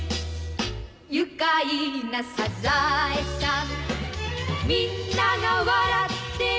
「愉快なサザエさん」「みんなが笑ってる」